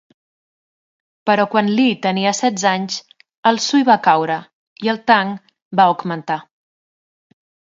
Però quan Li tenia setze anys el Sui va caure, i el Tang va augmentar.